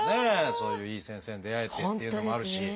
そういういい先生に出会えてっていうのもあるし。